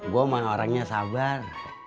gue mah orangnya sabar